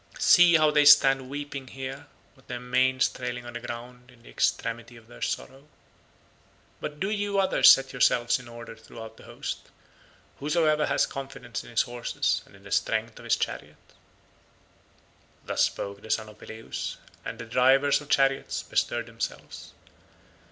See how they stand weeping here, with their manes trailing on the ground in the extremity of their sorrow. But do you others set yourselves in order throughout the host, whosoever has confidence in his horses and in the strength of his chariot." Thus spoke the son of Peleus and the drivers of chariots bestirred themselves.